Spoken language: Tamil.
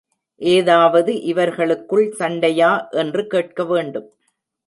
ஏதாவது இவர்களுக்குள் சண்டையா என்று கேட்கவேண்டும்.